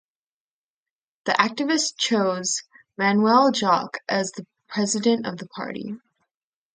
The activists chose Manuel Jacques as the president of the Party.